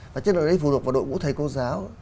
và chất lượng đấy phù hợp vào đội ngũ thầy cô giáo